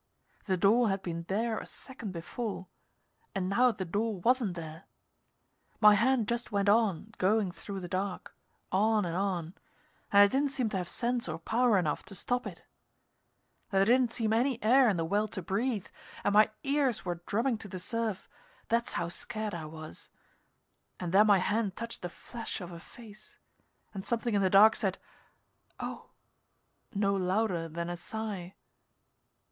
The door had been there a second before, and now the door wasn't there. My hand just went on going through the dark, on and on, and I didn't seem to have sense or power enough to stop it. There didn't seem any air in the well to breathe, and my ears were drumming to the surf that's how scared I was. And then my hand touched the flesh of a face, and something in the dark said, "Oh!" no louder than a sigh.